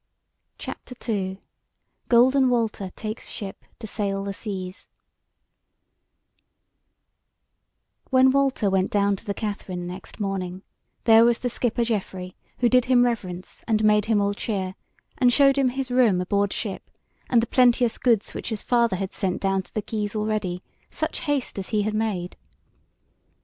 CHAPTER II: GOLDEN WALTER TAKES SHIP TO SAIL THE SEAS When Walter went down to the Katherine next morning, there was the skipper Geoffrey, who did him reverence, and made him all cheer, and showed him his room aboard ship, and the plenteous goods which his father had sent down to the quays already, such haste as he had made.